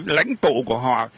vì lãnh tụ của họ